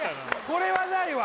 これはないわ